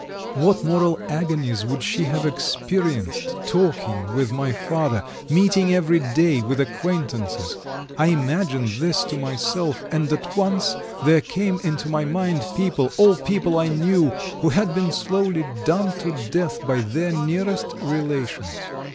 What moral agonies would she have experienced, talking with my father, meeting every day with acquaintances? I imagined this to myself, and at once there came into my mind people, all people I knew, who had been slowly done to death by their nearest relations.